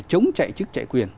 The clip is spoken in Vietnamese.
chống chạy chức chạy quyền